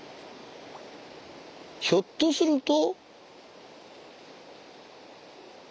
ひょっとすると。